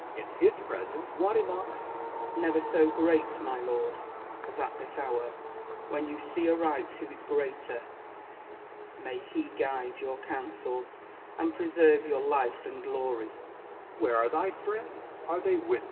In his presence what am 1 1 Spenser. Never so great, my lord, as at this hour, when you see aright who is greater. May He guide your counsels, and preserve your life and glory ! Essex. Where are thy friends % Are they with thee ?